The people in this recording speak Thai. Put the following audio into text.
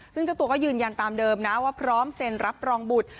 ซึ่งเจ้าตัวก็ยืนยันตามเดิมนะว่าพร้อมเซ็นรับรองบุตร